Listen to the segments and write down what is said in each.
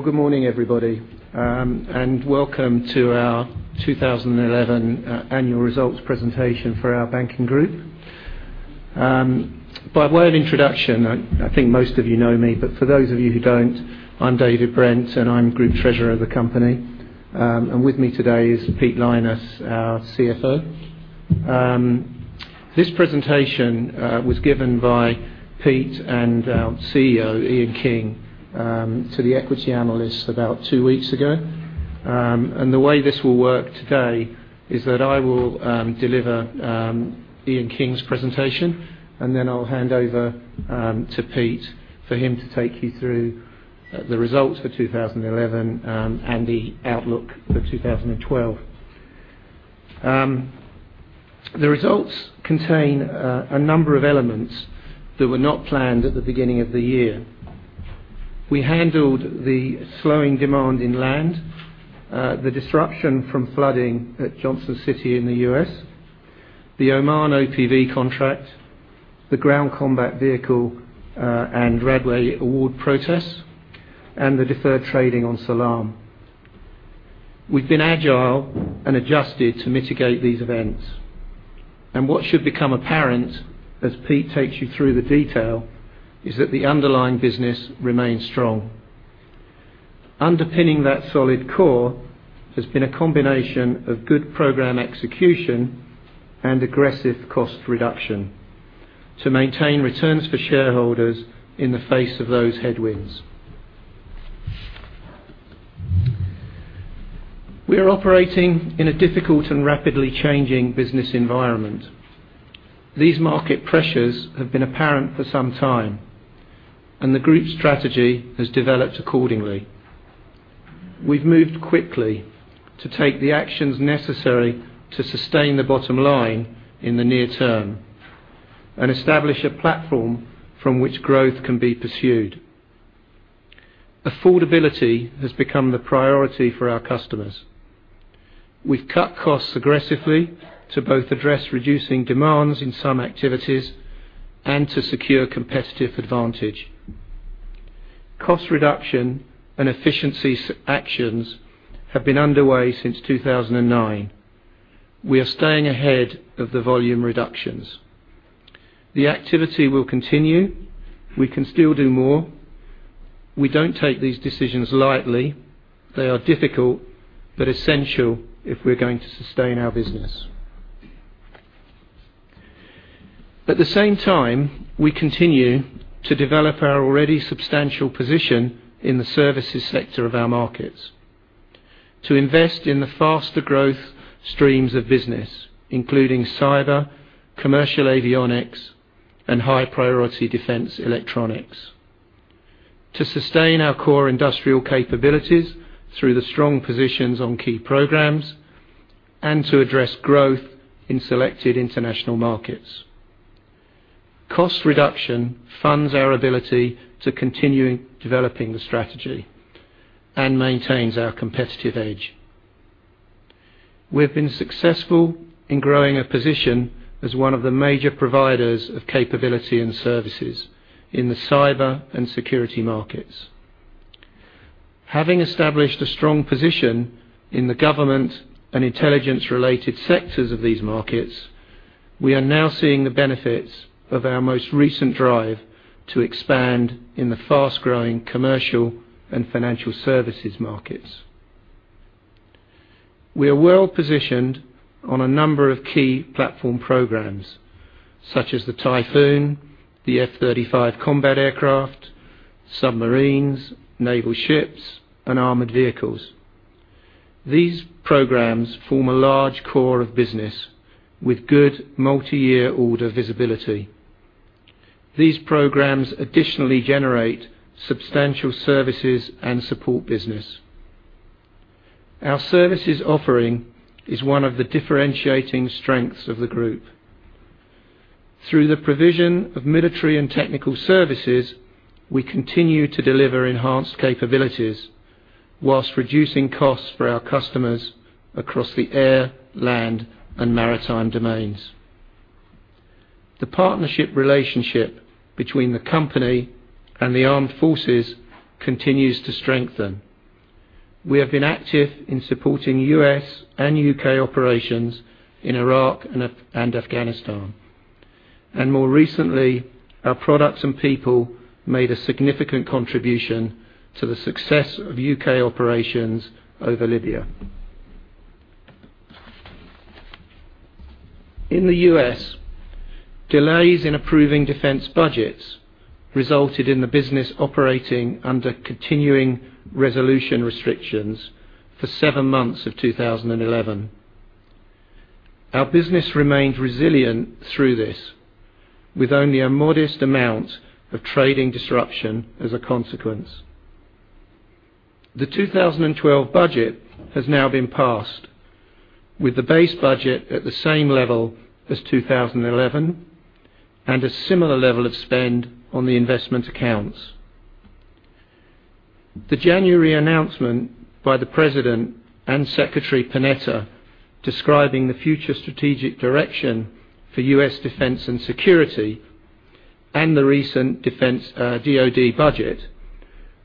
Good morning, everybody, welcome to our 2011 annual results presentation for our BAE Systems group. By way of introduction, I think most of you know me, but for those of you who don't, I'm David Brent, and I'm Group Treasurer of the company. With me today is Pete Lynas, our CFO. This presentation was given by Pete and our CEO, Ian King, to the equity analysts about 2 weeks ago. The way this will work today is that I will deliver Ian King's presentation, and then I'll hand over to Pete for him to take you through the results for 2011, and the outlook for 2012. The results contain a number of elements that were not planned at the beginning of the year. We handled the slowing demand in land, the disruption from flooding at Johnson City in the U.S., the Oman OPV contract, the Ground Combat Vehicle, and Radway award protest, and the deferred trading on Salam. We've been agile and adjusted to mitigate these events. What should become apparent as Pete takes you through the detail, is that the underlying business remains strong. Underpinning that solid core has been a combination of good program execution and aggressive cost reduction to maintain returns for shareholders in the face of those headwinds. We are operating in a difficult and rapidly changing business environment. These market pressures have been apparent for some time, and the group strategy has developed accordingly. We've moved quickly to take the actions necessary to sustain the bottom line in the near term and establish a platform from which growth can be pursued. Affordability has become the priority for our customers. We've cut costs aggressively to both address reducing demands in some activities and to secure competitive advantage. Cost reduction and efficiency actions have been underway since 2009. We are staying ahead of the volume reductions. The activity will continue. We can still do more. We don't take these decisions lightly. They are difficult but essential if we're going to sustain our business. At the same time, we continue to develop our already substantial position in the services sector of our markets to invest in the faster growth streams of business, including cyber, commercial avionics, and high-priority defense electronics, to sustain our core industrial capabilities through the strong positions on key programs and to address growth in selected international markets. Cost reduction funds our ability to continue developing the strategy and maintains our competitive edge. We've been successful in growing a position as one of the major providers of capability and services in the cyber and security markets. Having established a strong position in the government and intelligence-related sectors of these markets, we are now seeing the benefits of our most recent drive to expand in the fast-growing commercial and financial services markets. We are well-positioned on a number of key platform programs, such as the Typhoon, the F-35 combat aircraft, submarines, naval ships, and armored vehicles. These programs form a large core of business with good multiyear order visibility. These programs additionally generate substantial services and support business. Our services offering is one of the differentiating strengths of the group. Through the provision of military and technical services, we continue to deliver enhanced capabilities while reducing costs for our customers across the air, land, and maritime domains. The partnership relationship between the company and the armed forces continues to strengthen. We have been active in supporting U.S. and U.K. operations in Iraq and Afghanistan. More recently, our products and people made a significant contribution to the success of U.K. operations over Libya. In the U.S., delays in approving defense budgets resulted in the business operating under continuing resolution restrictions for seven months of 2011. Our business remained resilient through this, with only a modest amount of trading disruption as a consequence. The 2012 budget has now been passed, with the base budget at the same level as 2011, and a similar level of spend on the investment accounts. The January announcement by the President and Secretary Panetta describing the future strategic direction for U.S. defense and security The recent defense DoD budget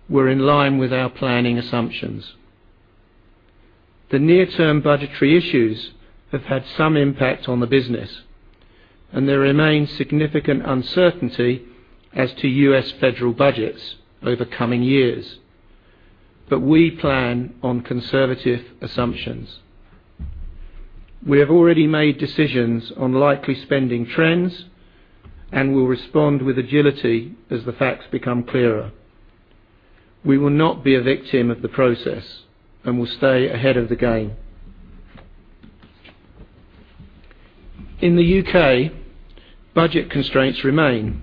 were in line with our planning assumptions. The near-term budgetary issues have had some impact on the business. There remains significant uncertainty as to U.S. federal budgets over coming years, but we plan on conservative assumptions. We have already made decisions on likely spending trends and will respond with agility as the facts become clearer. We will not be a victim of the process and will stay ahead of the game. In the U.K., budget constraints remain,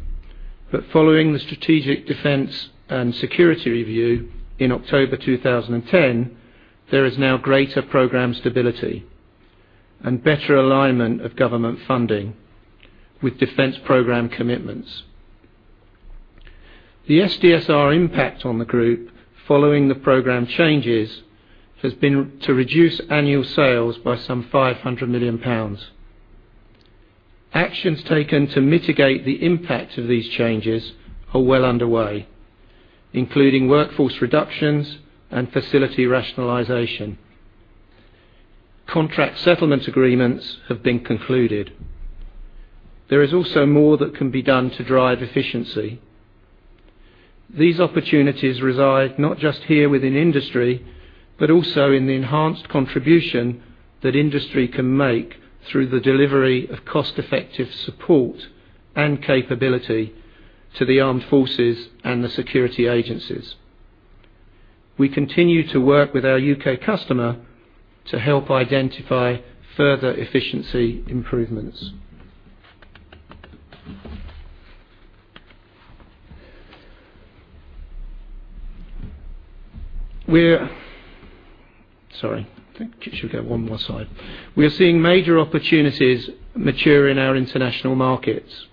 but following the Strategic Defense and Security Review in October 2010, there is now greater program stability and better alignment of government funding with defense program commitments. The SDSR impact on the group following the program changes, has been to reduce annual sales by some 500 million pounds. Actions taken to mitigate the impact of these changes are well underway, including workforce reductions and facility rationalization. Contract settlement agreements have been concluded. There is also more that can be done to drive efficiency. These opportunities reside not just here within industry, but also in the enhanced contribution that industry can make through the delivery of cost-effective support and capability to the armed forces and the security agencies. We continue to work with our U.K. customer to help identify further efficiency improvements. Sorry, think I should go one more slide. We are seeing major opportunities mature in our international markets.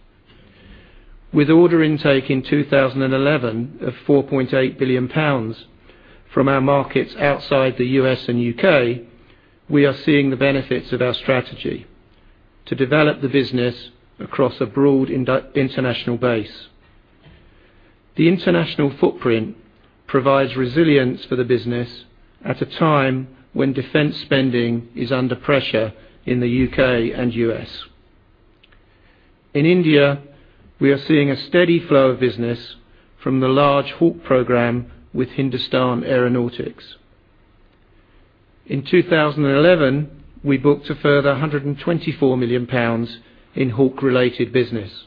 With order intake in 2011 of 4.8 billion pounds from our markets outside the U.S. and U.K., we are seeing the benefits of our strategy to develop the business across a broad international base. The international footprint provides resilience for the business at a time when defense spending is under pressure in the U.K. and U.S. In India, we are seeing a steady flow of business from the large Hawk program with Hindustan Aeronautics. In 2011, we booked a further 124 million pounds in Hawk-related business.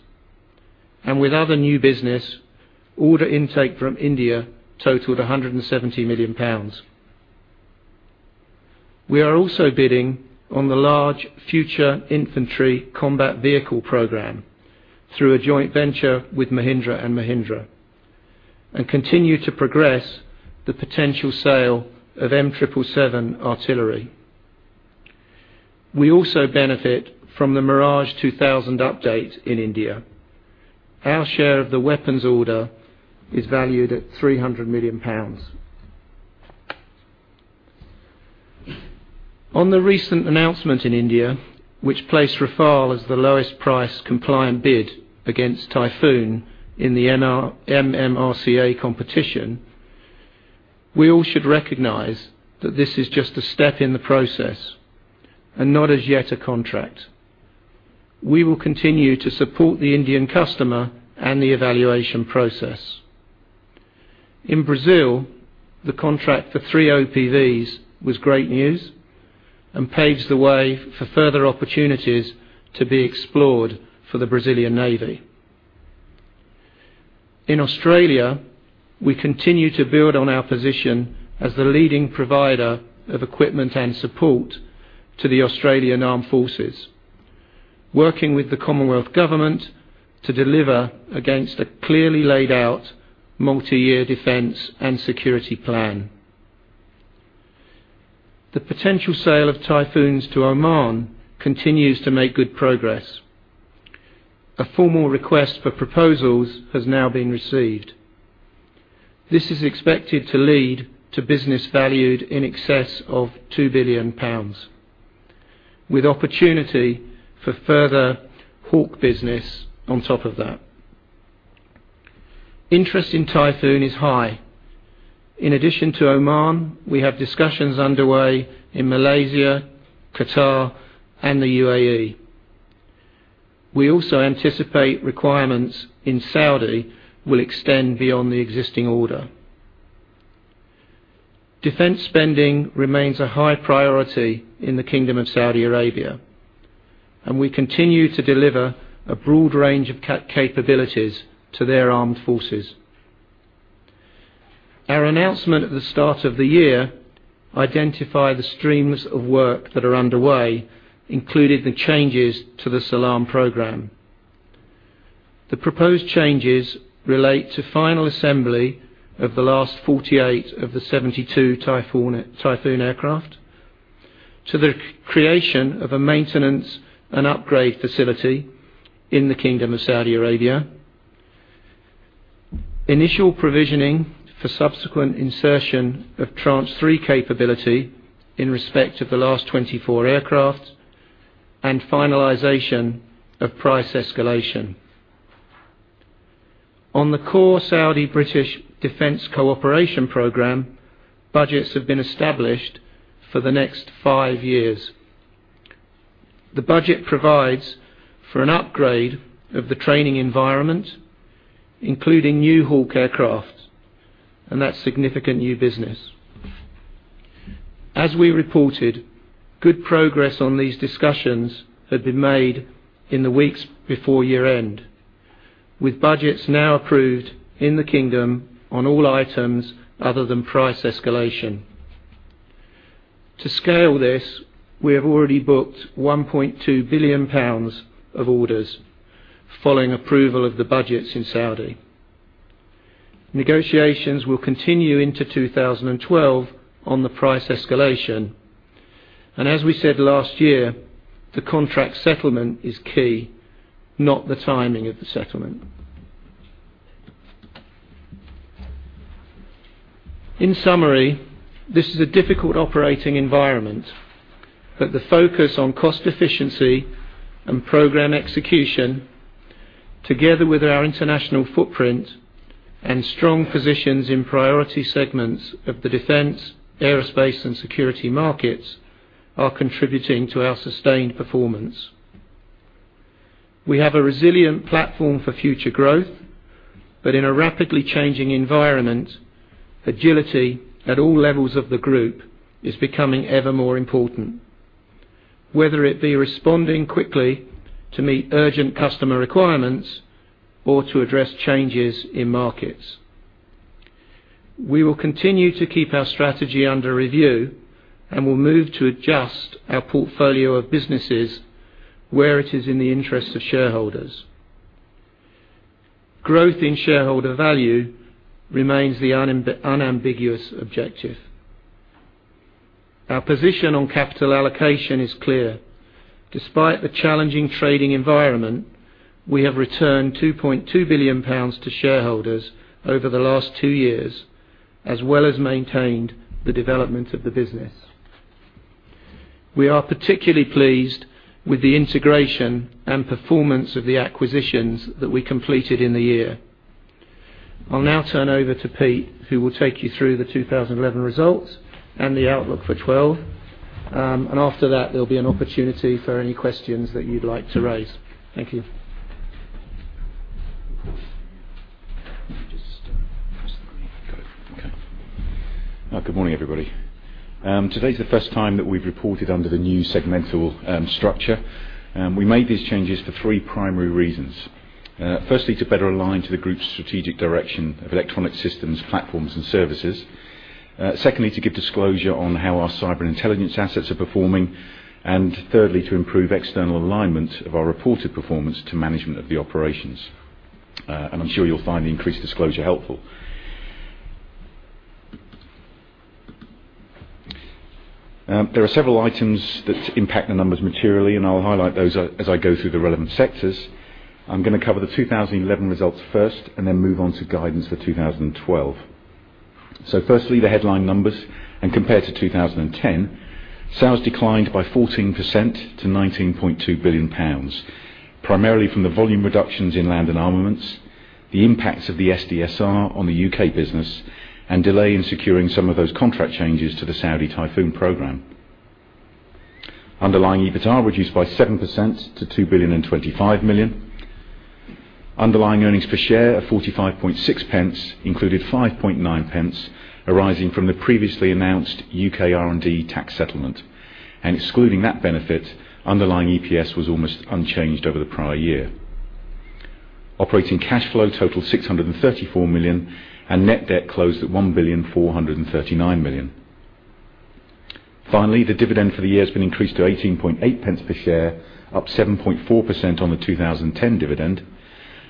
With other new business, order intake from India totaled 170 million pounds. We are also bidding on the large future infantry combat vehicle program through a joint venture with Mahindra & Mahindra, and continue to progress the potential sale of M777 artillery. We also benefit from the Mirage 2000 update in India. Our share of the weapons order is valued at GBP 300 million. On the recent announcement in India, which placed Rafale as the lowest price-compliant bid against Typhoon in the MMRCA competition, we all should recognize that this is just a step in the process and not as yet a contract. We will continue to support the Indian customer and the evaluation process. In Brazil, the contract for 3 OPVs was great news, paves the way for further opportunities to be explored for the Brazilian Navy. In Australia, we continue to build on our position as the leading provider of equipment and support to the Australian Armed Forces, working with the Commonwealth Government to deliver against a clearly laid out multiyear defense and security plan. The potential sale of Typhoons to Oman continues to make good progress. A formal request for proposals has now been received. This is expected to lead to business valued in excess of GBP 2 billion, with opportunity for further Hawk business on top of that. Interest in Typhoon is high. In addition to Oman, we have discussions underway in Malaysia, Qatar, and the UAE. We also anticipate requirements in Saudi will extend beyond the existing order. Defense spending remains a high priority in the Kingdom of Saudi Arabia, we continue to deliver a broad range of capabilities to their armed forces. Our announcement at the start of the year identified the streams of work that are underway, including the changes to the Salam program. The proposed changes relate to final assembly of the last 48 of the 72 Typhoon aircraft, to the creation of a maintenance and upgrade facility in the Kingdom of Saudi Arabia. Initial provisioning for subsequent insertion of Tranche 3 capability in respect of the last 24 aircraft and finalization of price escalation. On the core Saudi-British defense cooperation program, budgets have been established for the next five years. The budget provides for an upgrade of the training environment, including new Hawk aircraft, that's significant new business. As we reported, good progress on these discussions had been made in the weeks before year-end, with budgets now approved in the kingdom on all items other than price escalation. To scale this, we have already booked 1.2 billion pounds of orders following approval of the budgets in Saudi. Negotiations will continue into 2012 on the price escalation, as we said last year, the contract settlement is key, not the timing of the settlement. In summary, this is a difficult operating environment, the focus on cost efficiency and program execution, together with our international footprint and strong positions in priority segments of the defense, aerospace, and security markets, are contributing to our sustained performance. We have a resilient platform for future growth, in a rapidly changing environment, agility at all levels of the BAE Systems group is becoming ever more important, whether it be responding quickly to meet urgent customer requirements or to address changes in markets. We will continue to keep our strategy under review, will move to adjust our portfolio of businesses where it is in the interest of shareholders. Growth in shareholder value remains the unambiguous objective. Our position on capital allocation is clear. Despite the challenging trading environment, we have returned 2.2 billion pounds to shareholders over the last two years, as well as maintained the development of the business. We are particularly pleased with the integration and performance of the acquisitions that we completed in the year. I'll now turn over to Pete, who will take you through the 2011 results and the outlook for 2012. After that, there will be an opportunity for any questions that you'd like to raise. Thank you. Good morning, everybody. Today's the first time that we've reported under the new segmental structure. We made these changes for three primary reasons. Firstly, to better align to the group's strategic direction of electronic systems, platforms, and services. Secondly, to give disclosure on how our cyber intelligence assets are performing. Thirdly, to improve external alignment of our reported performance to management of the operations. I'm sure you'll find the increased disclosure helpful. There are several items that impact the numbers materially, and I'll highlight those as I go through the relevant sectors. I'm going to cover the 2011 results first, then move on to guidance for 2012. Firstly, the headline numbers, compared to 2010, sales declined by 14% to 19.2 billion pounds, primarily from the volume reductions in Land & Armaments, the impacts of the SDSR on the U.K. business, and delay in securing some of those contract changes to the Saudi Typhoon program. Underlying EBITA reduced by 7% to 2.025 billion. Underlying earnings per share of 0.456 included 0.059 arising from the previously announced U.K. R&D tax settlement, excluding that benefit, underlying EPS was almost unchanged over the prior year. Operating cash flow totaled 634 million, net debt closed at 1.439 billion. Finally, the dividend for the year has been increased to 0.188 per share, up 7.4% on the 2010 dividend,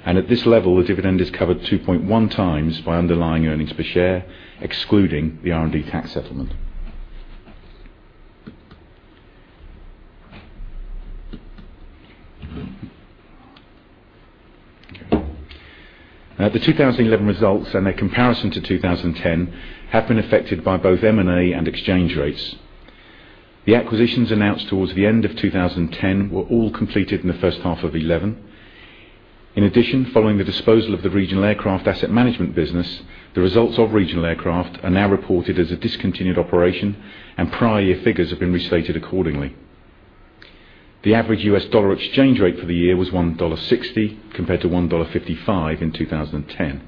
at this level, the dividend is covered 2.1 times by underlying earnings per share, excluding the R&D tax settlement. The 2011 results and their comparison to 2010 have been affected by both M&A and exchange rates. The acquisitions announced towards the end of 2010 were all completed in the first half of 2011. In addition, following the disposal of the regional aircraft asset management business, the results of regional aircraft are now reported as a discontinued operation, prior year figures have been restated accordingly. The average US dollar exchange rate for the year was $1.60 compared to $1.55 in 2010.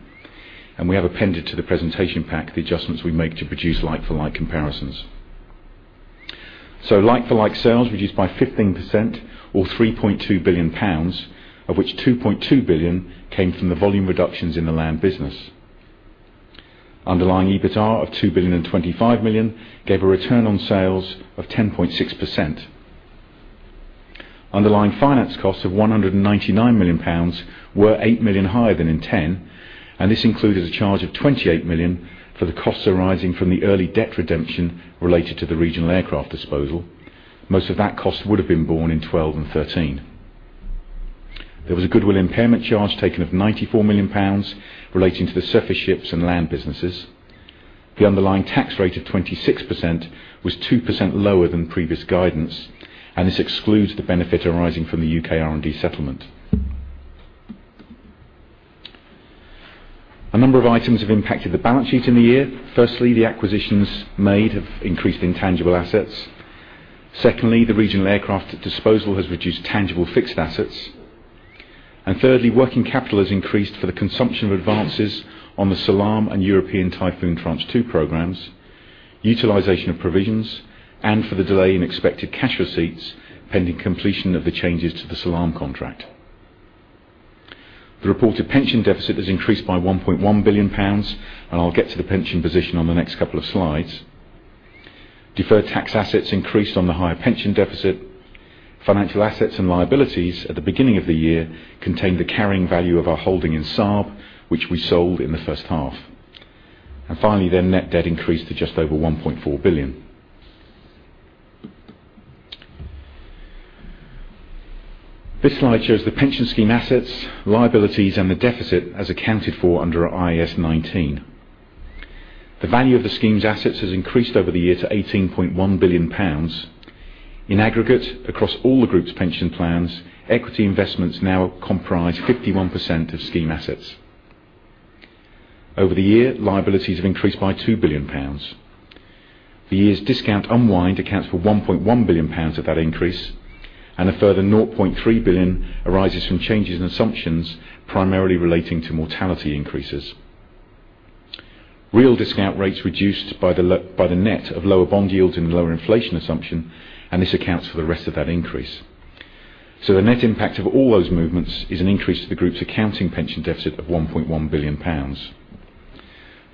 We have appended to the presentation pack the adjustments we make to produce like-for-like comparisons. Like-for-like sales reduced by 15% or 3.2 billion pounds, of which 2.2 billion came from the volume reductions in the L&A business. Underlying EBITA of 2.025 billion gave a return on sales of 10.6%. Underlying finance costs of 199 million pounds were 8 million higher than in 2010. This included a charge of 28 million for the costs arising from the early debt redemption related to the regional aircraft disposal. Most of that cost would have been borne in 2012 and 2013. There was a goodwill impairment charge taken of 94 million pounds relating to the surface ships and land businesses. The underlying tax rate of 26% was 2% lower than previous guidance. This excludes the benefit arising from the U.K. R&D settlement. A number of items have impacted the balance sheet in the year. Firstly, the acquisitions made have increased intangible assets. Secondly, the regional aircraft disposal has reduced tangible fixed assets. Thirdly, working capital has increased for the consumption of advances on the Salam and European Typhoon Tranche 2 programs, utilization of provisions, and for the delay in expected cash receipts pending completion of the changes to the Salam contract. The reported pension deficit has increased by 1.1 billion pounds. I'll get to the pension position on the next couple of slides. Deferred tax assets increased on the higher pension deficit. Financial assets and liabilities at the beginning of the year contained the carrying value of our holding in Saab, which we sold in the first half. Finally, net debt increased to just over 1.4 billion. This slide shows the pension scheme assets, liabilities, and the deficit as accounted for under IAS 19. The value of the scheme's assets has increased over the year to 18.1 billion pounds. In aggregate, across all the group's pension plans, equity investments now comprise 51% of scheme assets. Over the year, liabilities have increased by 2 billion pounds. The year's discount unwind accounts for 1.1 billion pounds of that increase. A further 0.3 billion arises from changes in assumptions, primarily relating to mortality increases. Real discount rates reduced by the net of lower bond yields and lower inflation assumption. This accounts for the rest of that increase. The net impact of all those movements is an increase to the group's accounting pension deficit of 1.1 billion pounds.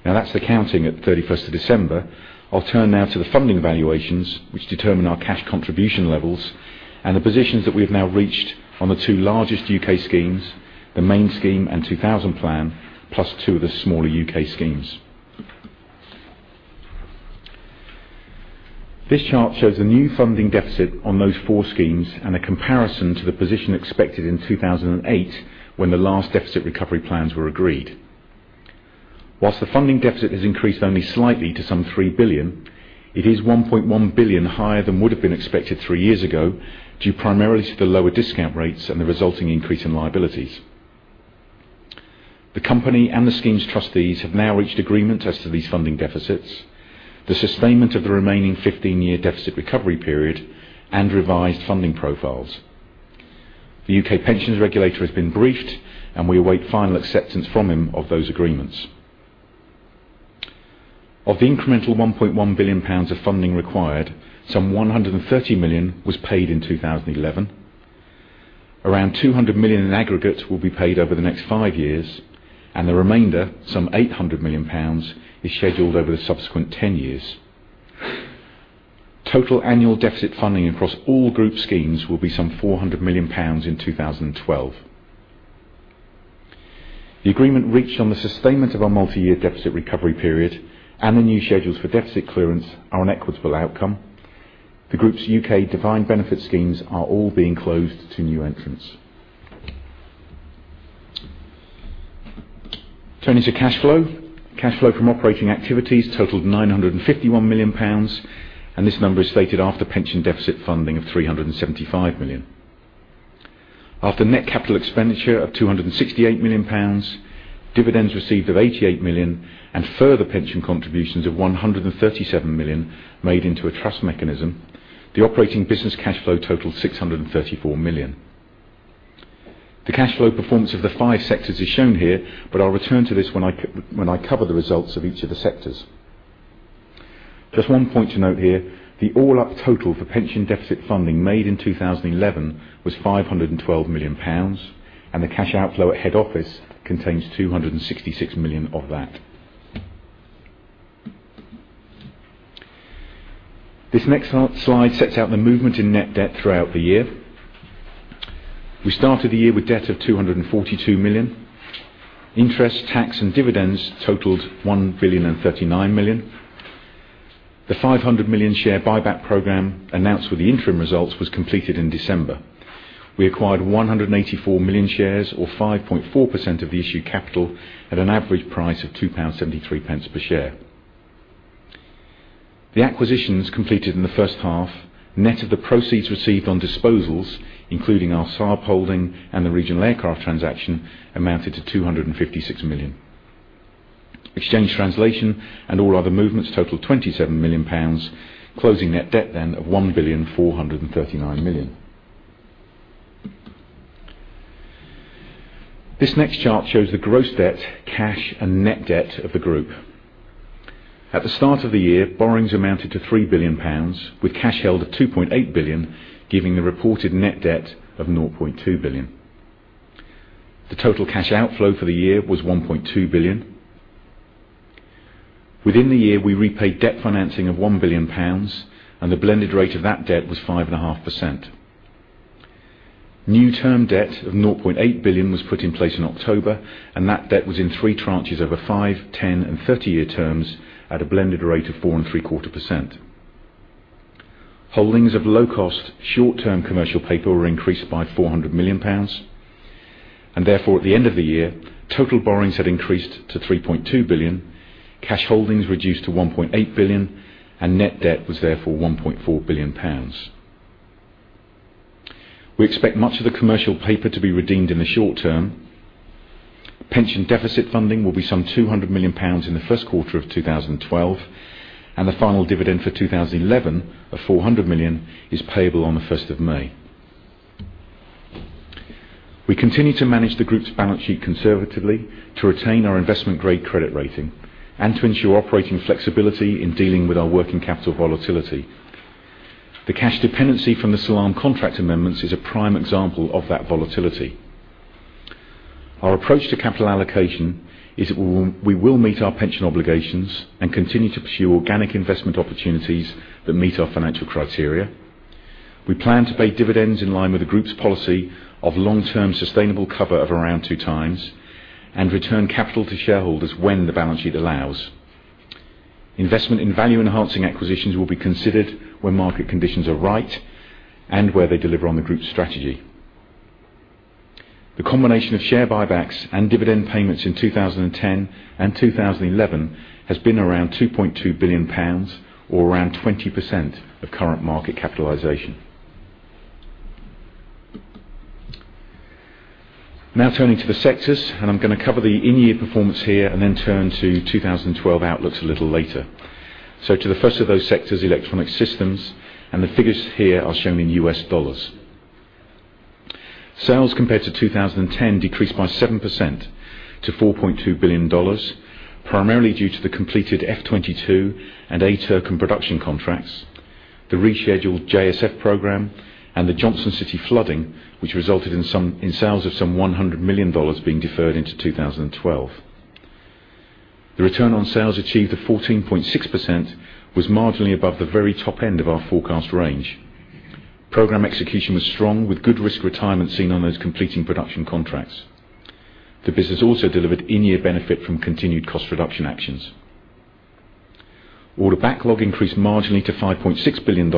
Now that's accounting at 31st of December. I'll turn now to the funding valuations, which determine our cash contribution levels and the positions that we've now reached on the two largest U.K. schemes, the main scheme and 2000 Plan, plus two of the smaller U.K. schemes. This chart shows the new funding deficit on those four schemes and a comparison to the position expected in 2008 when the last deficit recovery plans were agreed. Whilst the funding deficit has increased only slightly to some 3 billion, it is 1.1 billion higher than would have been expected three years ago, due primarily to the lower discount rates and the resulting increase in liabilities. The company and the scheme's trustees have now reached agreement as to these funding deficits, the sustainment of the remaining 15-year deficit recovery period, and revised funding profiles. The U.K. pensions regulator has been briefed. We await final acceptance from him of those agreements. Of the incremental 1.1 billion pounds of funding required, some 130 million was paid in 2011. Around 200 million in aggregate will be paid over the next five years, and the remainder, some 800 million pounds, is scheduled over the subsequent 10 years. Total annual deficit funding across all group schemes will be some 400 million pounds in 2012. The agreement reached on the sustainment of our multi-year deficit recovery period and the new schedules for deficit clearance are an equitable outcome. The group's U.K. defined benefit schemes are all being closed to new entrants. Turning to cash flow. Cash flow from operating activities totaled 951 million pounds, and this number is stated after pension deficit funding of 375 million. After net capital expenditure of 268 million pounds, dividends received of 88 million, and further pension contributions of 137 million made into a trust mechanism, the operating business cash flow totaled 634 million. The cash flow performance of the five sectors is shown here, but I'll return to this when I cover the results of each of the sectors. Just one point to note here, the all-up total for pension deficit funding made in 2011 was 512 million pounds, and the cash outflow at head office contains 266 million of that. This next slide sets out the movement in net debt throughout the year. We started the year with debt of 242 million. Interest, tax, and dividends totaled 1.039 billion. The 500 million share buyback program announced with the interim results was completed in December. We acquired 184 million shares or 5.4% of the issued capital at an average price of 2.73 pound per share. The acquisitions completed in the first half, net of the proceeds received on disposals, including our Saab holding and the regional aircraft transaction, amounted to 256 million. Exchange translation and all other movements totaled 27 million pounds, closing net debt then of 1.439 billion. This next chart shows the gross debt, cash, and net debt of the group. At the start of the year, borrowings amounted to 3 billion pounds, with cash held at 2.8 billion, giving the reported net debt of 0.2 billion. The total cash outflow for the year was 1.2 billion. Within the year, we repaid debt financing of 1 billion pounds, and the blended rate of that debt was 5.5%. New term debt of 0.8 billion was put in place in October, and that debt was in tranches over five, 10, and 30-year terms at a blended rate of 4.75%. Holdings of low-cost short-term commercial paper were increased by 400 million pounds. Therefore, at the end of the year, total borrowings had increased to 3.2 billion, cash holdings reduced to 1.8 billion, and net debt was therefore 1.4 billion pounds. We expect much of the commercial paper to be redeemed in the short term. Pension deficit funding will be some 200 million pounds in the first quarter of 2012, and the final dividend for 2011 of 400 million is payable on the 1st of May. We continue to manage the group's balance sheet conservatively to retain our investment-grade credit rating and to ensure operating flexibility in dealing with our working capital volatility. The cash dependency from the Salam contract amendments is a prime example of that volatility. Our approach to capital allocation is we will meet our pension obligations and continue to pursue organic investment opportunities that meet our financial criteria. We plan to pay dividends in line with the group's policy of long-term sustainable cover of around 2 times and return capital to shareholders when the balance sheet allows. Investment in value-enhancing acquisitions will be considered when market conditions are right and where they deliver on the group's strategy. The combination of share buybacks and dividend payments in 2010 and 2011 has been around 2.2 billion pounds or around 20% of current market capitalization. Turning to the sectors, I am going to cover the in-year performance here and then turn to 2012 outlooks a little later. To the first of those sectors, Electronic Systems, and the figures here are shown in U.S. dollars. Sales compared to 2010 decreased by 7% to $4.2 billion, primarily due to the completed F-22 and ATIRCM production contracts, the rescheduled JSF program, and the Johnson City flooding, which resulted in sales of some $100 million being deferred into 2012. The return on sales achieved of 14.6% was marginally above the very top end of our forecast range. Program execution was strong with good risk retirement seen on those completing production contracts. The business also delivered in-year benefit from continued cost reduction actions. Order backlog increased marginally to $5.6 billion,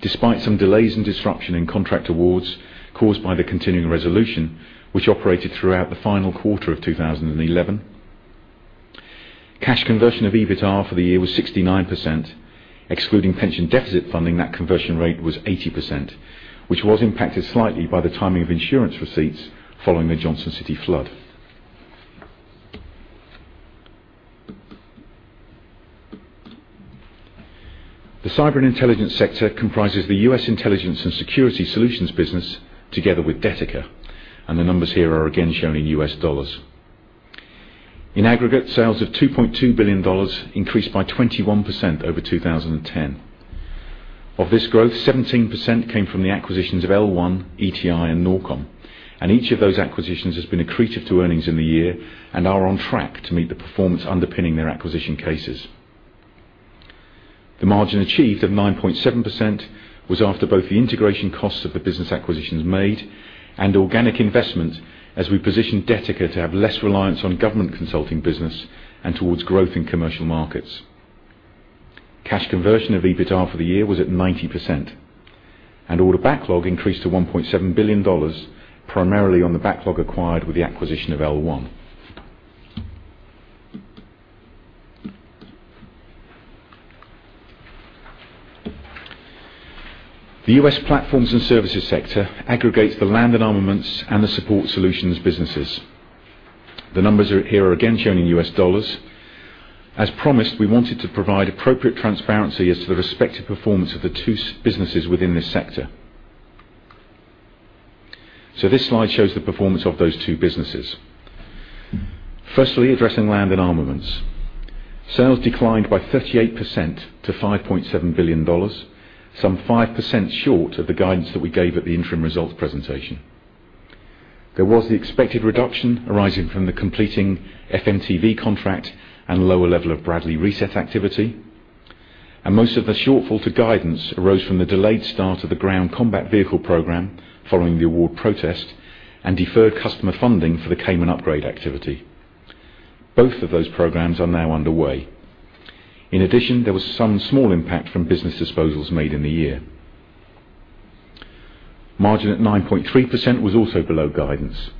despite some delays and disruption in contract awards caused by the continuing resolution, which operated throughout the final quarter of 2011. Cash conversion of EBITDA for the year was 69%, excluding pension deficit funding, that conversion rate was 80%, which was impacted slightly by the timing of insurance receipts following the Johnson City flood. The cyber and intelligence sector comprises the U.S. intelligence and security solutions business together with Detica, and the numbers here are again shown in U.S. dollars. In aggregate, sales of $2.2 billion increased by 21% over 2010. Of this growth, 17% came from the acquisitions of L-1, ETI and Norkom, and each of those acquisitions has been accretive to earnings in the year and are on track to meet the performance underpinning their acquisition cases. The margin achieved of 9.7% was after both the integration costs of the business acquisitions made and organic investment as we positioned Detica to have less reliance on government consulting business and towards growth in commercial markets. Cash conversion of EBITDA for the year was at 90%, and order backlog increased to $1.7 billion, primarily on the backlog acquired with the acquisition of L-1. The U.S. platforms and services sector aggregates the Land & Armaments and the support solutions businesses. The numbers here are again shown in U.S. dollars. As promised, we wanted to provide appropriate transparency as to the respective performance of the two businesses within this sector. This slide shows the performance of those two businesses. Firstly, addressing Land & Armaments. Sales declined by 38% to $5.7 billion, some 5% short of the guidance that we gave at the interim results presentation. There was the expected reduction arising from the completing FMTV contract and lower level of Bradley reset activity, and most of the shortfall to guidance arose from the delayed start of the Ground Combat Vehicle program following the award protest and deferred customer funding for the Caiman upgrade activity. Both of those programs are now underway. In addition, there was some small impact from business disposals made in the year. Margin at 9.3% was also below guidance.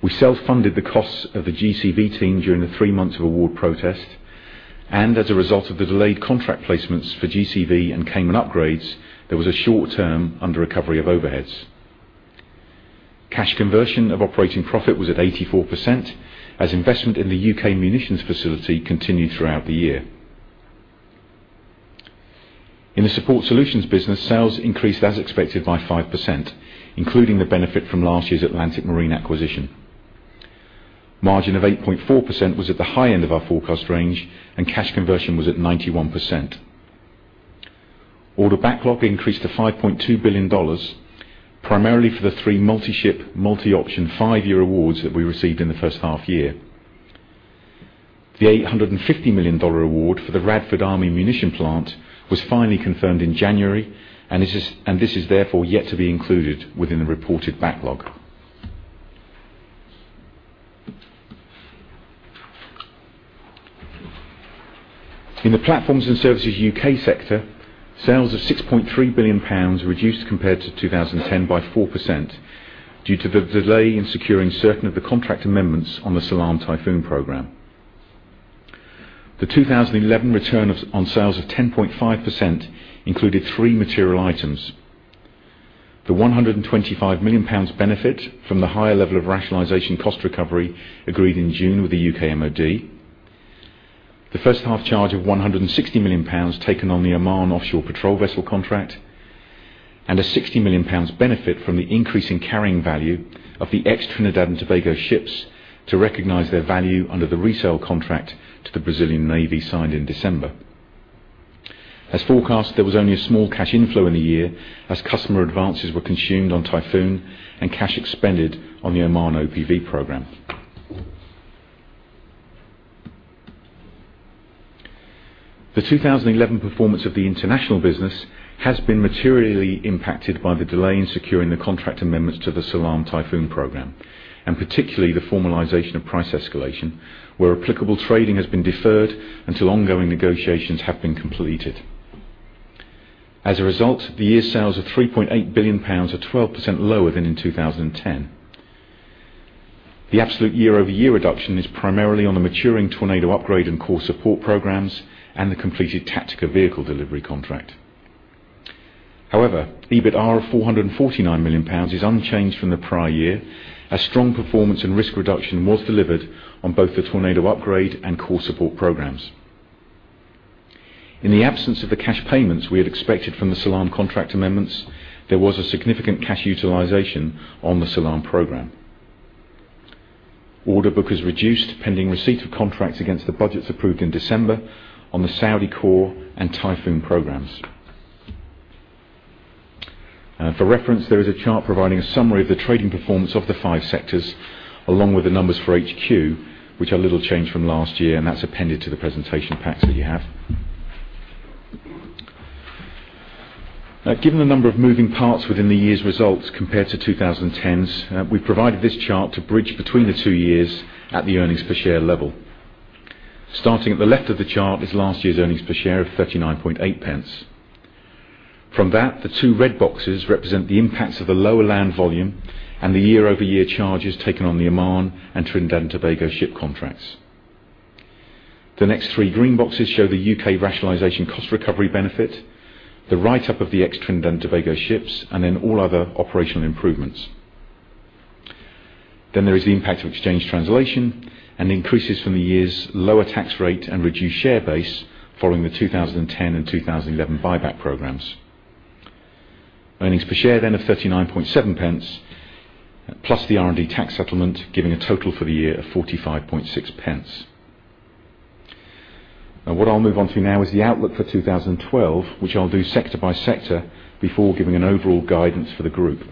We self-funded the costs of the GCV team during the three months of award protest. As a result of the delayed contract placements for GCV and Caiman upgrades, there was a short-term under recovery of overheads. Cash conversion of operating profit was at 84% as investment in the U.K. munitions facility continued throughout the year. In the Support Solutions business, sales increased as expected by 5%, including the benefit from last year's Atlantic Marine acquisition. Margin of 8.4% was at the high end of our forecast range, and cash conversion was at 91%. Order backlog increased to GBP 5.2 billion, primarily for the three multi-ship, multi-option, five-year awards that we received in the first half year. The GBP 850 million award for the Radford Army Ammunition Plant was finally confirmed in January. This is therefore yet to be included within the reported backlog. In the platforms and services U.K. sector, sales of 6.3 billion pounds reduced compared to 2010 by 4% due to the delay in securing certain of the contract amendments on the Salam Typhoon program. The 2011 return on sales of 10.5% included three material items. The 125 million pounds benefit from the higher level of rationalization cost recovery agreed in June with the U.K. MOD, the first half charge of 160 million pounds taken on the Oman Offshore Patrol Vessel contract, and a 60 million pounds benefit from the increase in carrying value of the ex Trinidad and Tobago ships to recognize their value under the resale contract to the Brazilian Navy signed in December. As forecast, there was only a small cash inflow in the year as customer advances were consumed on Typhoon and cash expended on the Oman OPV program. The 2011 performance of the international business has been materially impacted by the delay in securing the contract amendments to the Salam Typhoon program. Particularly the formalization of price escalation, where applicable trading has been deferred until ongoing negotiations have been completed. The year's sales of 3.8 billion pounds are 12% lower than in 2010. The absolute year-over-year reduction is primarily on the maturing Tornado upgrade and core support programs and the completed Tactica vehicle delivery contract. EBITA of 449 million pounds is unchanged from the prior year, as strong performance and risk reduction was delivered on both the Tornado upgrade and core support programs. In the absence of the cash payments we had expected from the Salam contract amendments, there was a significant cash utilization on the Salam program. Order book is reduced pending receipt of contracts against the budgets approved in December on the Saudi core and Typhoon programs. There is a chart providing a summary of the trading performance of the five sectors along with the numbers for HQ, which are little changed from last year, and that's appended to the presentation packs that you have. The number of moving parts within the year's results compared to 2010's, we provided this chart to bridge between the two years at the earnings per share level. Starting at the left of the chart is last year's earnings per share of 0.398. From that, the two red boxes represent the impacts of the lower land volume and the year-over-year charges taken on the Oman and Trinidad and Tobago ship contracts. The next three green boxes show the U.K. rationalization cost recovery benefit, the write-up of the ex Trinidad and Tobago ships, and all other operational improvements. There is the impact of exchange translation and increases from the year's lower tax rate and reduced share base following the 2010 and 2011 buyback programs. Earnings per share of 0.397, plus the R&D tax settlement, giving a total for the year of 0.456. What I'll move on to now is the outlook for 2012, which I'll do sector by sector before giving an overall guidance for the group.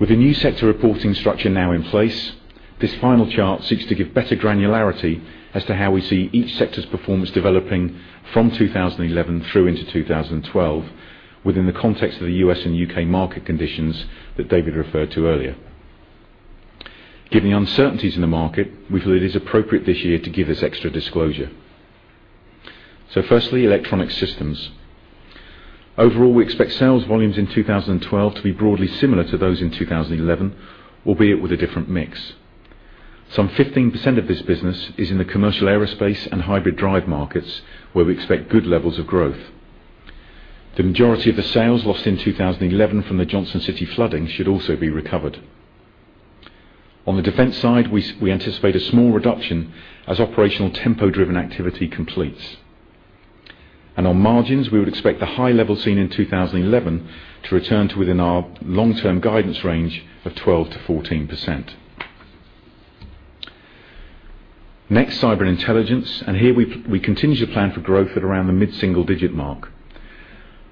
With the new sector reporting structure now in place, this final chart seeks to give better granularity as to how we see each sector's performance developing from 2011 through into 2012 within the context of the U.S. and U.K. market conditions that David referred to earlier. Given the uncertainties in the market, we feel it is appropriate this year to give this extra disclosure. Firstly, electronic systems. Overall, we expect sales volumes in 2012 to be broadly similar to those in 2011, albeit with a different mix. Some 15% of this business is in the commercial aerospace and hybrid drive markets, where we expect good levels of growth. The majority of the sales lost in 2011 from the Johnson City flooding should also be recovered. On the defense side, we anticipate a small reduction as operational tempo-driven activity completes. On margins, we would expect the high level seen in 2011 to return to within our long-term guidance range of 12%-14%. Next, cyber intelligence, here we continue to plan for growth at around the mid-single-digit mark.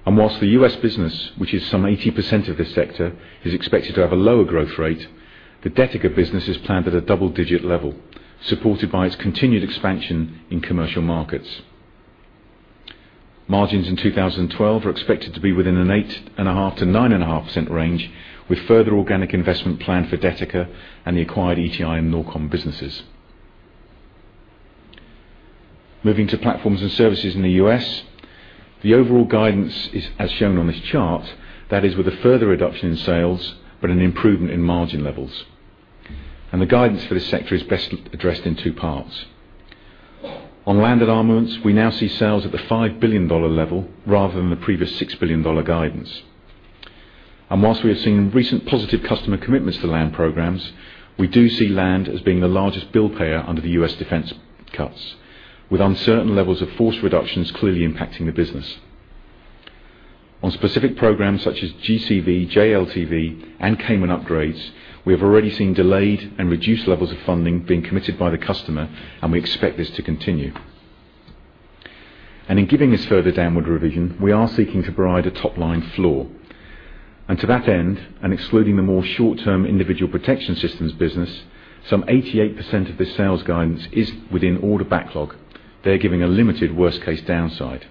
Whilst the U.S. business, which is some 80% of this sector, is expected to have a lower growth rate, the Detica business is planned at a double-digit level, supported by its continued expansion in commercial markets. Margins in 2012 are expected to be within an 8.5%-9.5% range, with further organic investment planned for Detica and the acquired ETI and Norkom businesses. Moving to platforms and services in the U.S., the overall guidance is as shown on this chart. That is, with a further reduction in sales but an improvement in margin levels. The guidance for this sector is best addressed in two parts. On Land & Armaments, we now see sales at the $5 billion level rather than the previous $6 billion guidance. Whilst we have seen recent positive customer commitments for land programs, we do see land as being the largest bill payer under the U.S. defense cuts, with uncertain levels of force reductions clearly impacting the business. On specific programs such as GCV, JLTV, and Caiman upgrades, we have already seen delayed and reduced levels of funding being committed by the customer, and we expect this to continue. In giving this further downward revision, we are seeking to provide a top-line floor. To that end, excluding the more short-term individual protection systems business, some 88% of the sales guidance is within order backlog. They're giving a limited worst-case downside.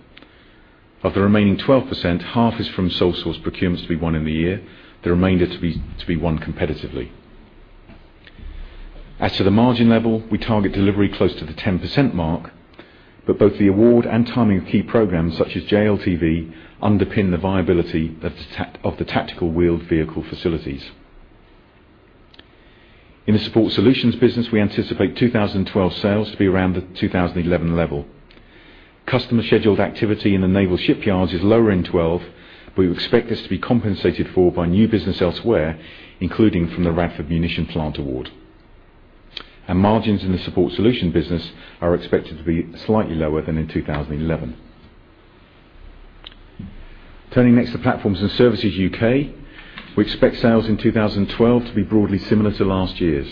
Of the remaining 12%, half is from sole source procurements to be won in the year, the remainder to be won competitively. As to the margin level, we target delivery close to the 10% mark, but both the award and timing of key programs such as JLTV underpin the viability of the tactical wheeled vehicle facilities. In the Support Solutions business, we anticipate 2012 sales to be around the 2011 level. Customer scheduled activity in the naval shipyards is lower in 2012, but we expect this to be compensated for by new business elsewhere, including from the Radford Ammunition plant award. Margins in the Support Solutions business are expected to be slightly lower than in 2011. Turning next to Platforms and Services U.K., we expect sales in 2012 to be broadly similar to last year's.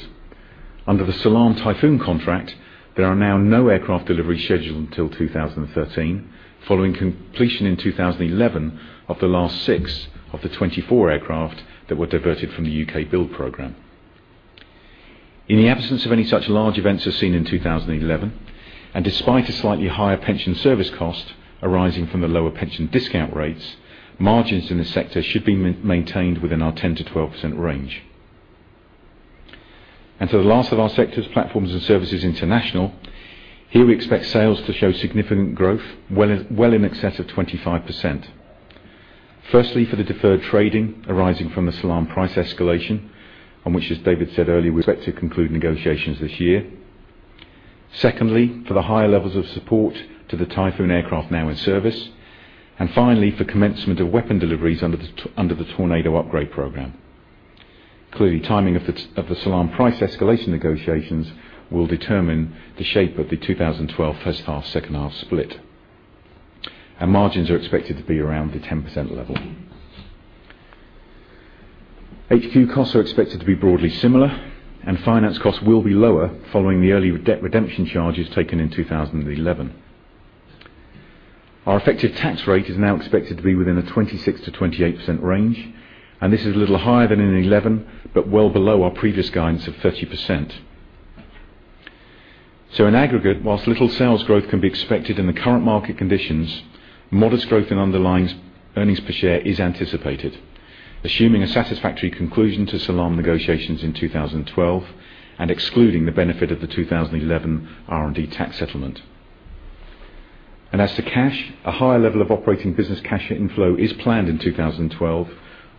Under the Salam Typhoon contract, there are now no aircraft delivery scheduled until 2013, following completion in 2011 of the last six of the 24 aircraft that were diverted from the U.K. build program. In the absence of any such large events as seen in 2011, despite a slightly higher pension service cost arising from the lower pension discount rates, margins in this sector should be maintained within our 10%-12% range. To the last of our sectors, Platforms and Services International, here we expect sales to show significant growth well in excess of 25%. Firstly, for the deferred trading arising from the Salam price escalation, on which, as David said earlier, we expect to conclude negotiations this year. Secondly, for the higher levels of support to the Typhoon aircraft now in service. Finally, for commencement of weapon deliveries under the Tornado upgrade program. Clearly, timing of the Salam price escalation negotiations will determine the shape of the 2012 first half, second half split. Margins are expected to be around the 10% level. HQ costs are expected to be broadly similar, and finance costs will be lower following the early debt redemption charges taken in 2011. Our effective tax rate is now expected to be within a 26%-28% range, and this is a little higher than in 2011, but well below our previous guidance of 30%. In aggregate, whilst little sales growth can be expected in the current market conditions, modest growth in underlying earnings per share is anticipated. Assuming a satisfactory conclusion to Salam negotiations in 2012 and excluding the benefit of the 2011 R&D tax settlement. As to cash, a higher level of operating business cash inflow is planned in 2012,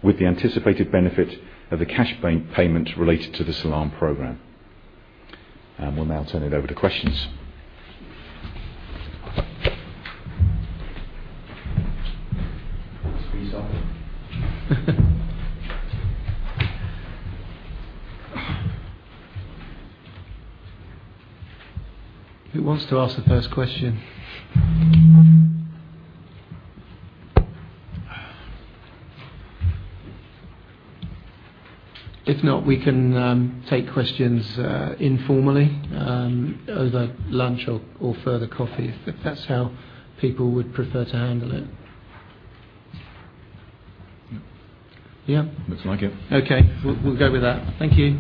with the anticipated benefit of the cash payment related to the Salam program. We'll now turn it over to questions. It's resolved. Who wants to ask the first question? If not, we can take questions informally over lunch or further coffee, if that's how people would prefer to handle it. Yep. Looks like it. Okay. We'll go with that. Thank you.